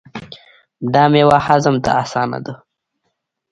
دا میوه هضم ته اسانه ده.